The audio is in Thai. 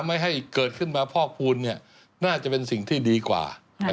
ไม่ให้เกิดขึ้นมาพอกภูมิน่าจะเป็นสิ่งที่ดีกว่า